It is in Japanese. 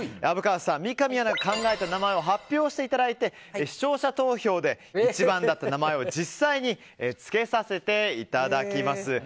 虻川さん、三上アナが考えた名前を発表していただいて視聴者投票で一番だった名前を実際につけさせていただきます。